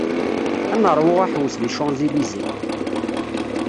Ad neṛwu aḥewwes di Champs-Elysées.